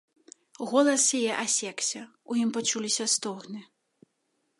Голас яе асекся, у ім пачуліся стогны.